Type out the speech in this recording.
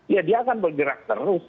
ya dia akan bergerak terus